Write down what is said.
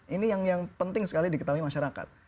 ini yang penting sekali diketahui masyarakat